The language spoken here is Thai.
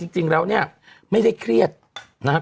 จริงแล้วเนี่ยไม่ได้เครียดนะครับ